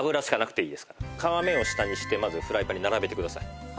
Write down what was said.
皮目を下にしてまずフライパンに並べてください。